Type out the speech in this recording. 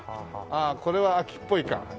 ああこれは秋っぽいか。